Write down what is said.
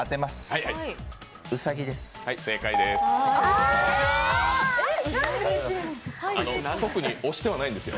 はい、正解です。